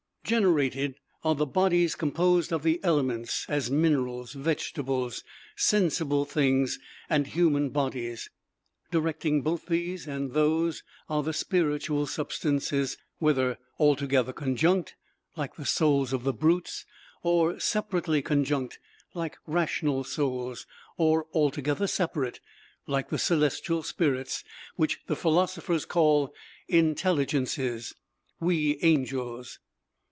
Generated are the bodies composed of the elements, as minerals, vegetables, sensible things, and human bodies. Directing both these and those are the spiritual substances: whether altogether conjunct, like the souls of the brutes; or separably conjunct, like rational souls; or altogether separate, like the celestial spirits; which the philosophers call Intelligences, we Angels.